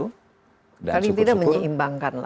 kalian tidak menyeimbangkan lah